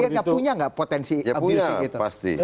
anda melihat nggak punya nggak potensi abuse gitu